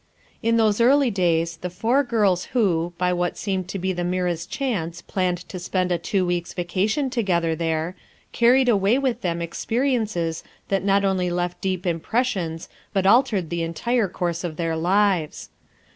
In those early days the four girls who, by what seemed to be the merest chance planned to spend a two weeks' vacation together there, carried away with them experiences that not 27 2S FOUR MOTHERS AT CHAUTAUQUA only left deep impressions but that altered the entire course of their lives.